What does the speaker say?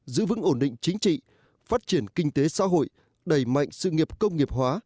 giữ vững ổn định chính trị phát triển kinh tế xã hội đẩy mạnh sự nghiệp công nghiệp hóa